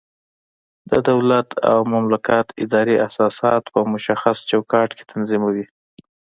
د دولت او مملکت ادارې اساسات په مشخص چوکاټ کې تنظیموي.